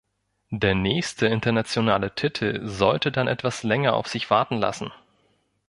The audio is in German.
Der nächste internationale Titel sollte dann etwas länger auf sich warten lassen.